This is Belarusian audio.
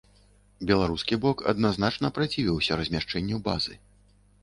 Беларускі бок адназначна працівіўся размяшчэнню базы.